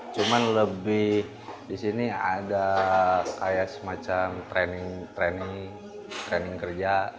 cuma lebih di sini ada kayak semacam training training training kerja